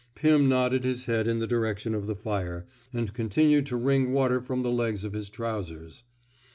Pim nodded his head in the direction of the fire, and continued to wring water from the' legs of his trousers.